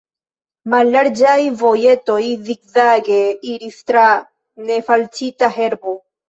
Mallarĝaj vojetoj zigzage iris tra nefalĉita herbo.